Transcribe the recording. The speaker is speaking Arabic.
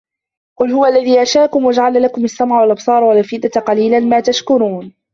قُل هُوَ الَّذي أَنشَأَكُم وَجَعَلَ لَكُمُ السَّمعَ وَالأَبصارَ وَالأَفئِدَةَ قَليلًا ما تَشكُرونَ